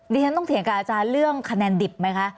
ฉันต้องเถียงกับอาจารย์เรื่องคะแนนดิบไหมคะ